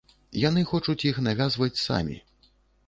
Яны хочуць іх навязваць самі.